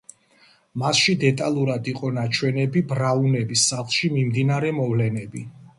მასში დეტალურად იყო ნაჩვენები ბრაუნების სახლში მიმდინარე მოვლენები.